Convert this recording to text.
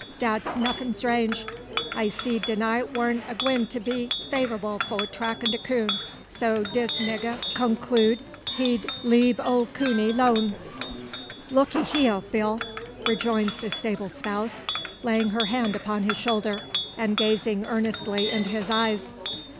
Dat's nuffin 'trange. I seed de night warn't a gwine to be fav'ble fo' trackin' de coon; so dis nigga konklood he'd leab ole cooney 'lone." "Lookee hya, Bill!" rejoins the sable spouse, laying her hand upon his shoulder, and gazing earnestly into his eyes.